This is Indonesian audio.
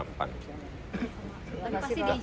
tapi pasti diizinkan pak